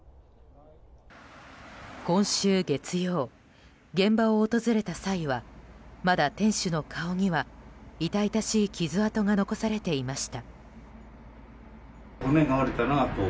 今週月曜、現場を訪れた際はまだ店主の顔には痛々しい傷痕が残されていました。